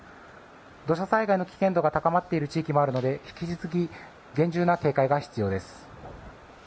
土砂災害の危険度が高まっている地域もあるので引き続き厳重な警戒が必要です。